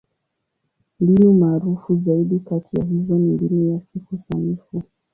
Mbinu maarufu zaidi kati ya hizo ni Mbinu ya Siku Sanifu.